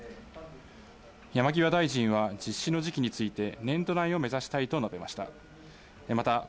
山際大臣は実施の時期について、年度内を目指したいと述べました。